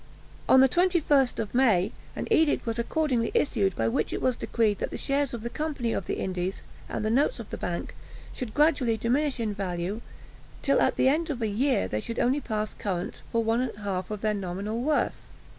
On the 21st of May, an edict was accordingly issued, by which it was decreed that the shares of the Company of the Indies, and the notes of the bank, should gradually diminish in value, till at the end of a year they should only pass current for one half of their nominal worth.